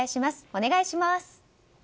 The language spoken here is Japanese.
お願いします。